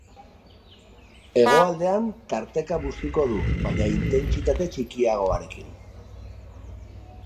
Hegoaldean, tarteka bustiko du, baina intentsitate txikiagoarekin.